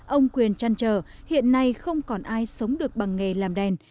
ông quyền chăn trở hiện nay không còn ai sống được bằng nghề làm đèn